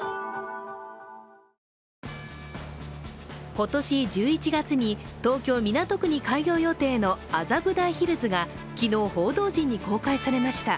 今年１１月に東京・港区に開業予定の麻布台ヒルズが昨日、報道陣に公開されました。